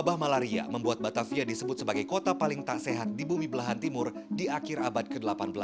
pada saat ini kota batavia menyebutnya kota paling tak sehat di bumi belahan timur di akhir abad ke delapan belas